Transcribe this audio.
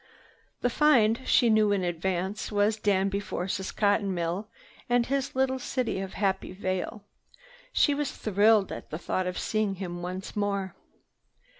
The "find," she knew in advance, was Danby Force's cotton mill and his little city of Happy Vale. She was thrilled at the thought of seeing him once more.